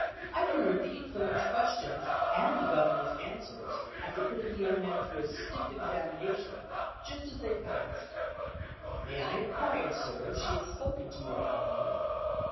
I can repeat Philip's questions and the Governor's answers after putting the young man through a stiff examination just as they passed: 'May I inquire, sir, if she has spoken to you about me?